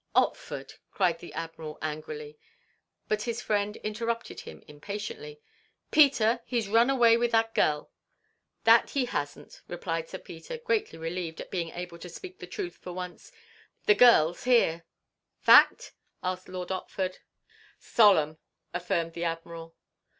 "Otford!" cried the Admiral, angrily; but his friend interrupted him impatiently. "Peter! He 's run away with that gel!" "That he has n't!" replied Sir Peter, greatly relieved at being able to speak the truth for once. "The gel's here." "Fact?" asked Lord Otford. "Solemn," affirmed the Admiral.